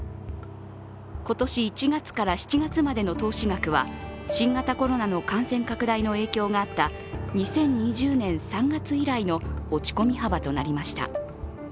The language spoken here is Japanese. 今年１月から７月までの投資額は新型コロナの感染拡大の影響があった２０２０年３月以来の落ち込み幅となりました。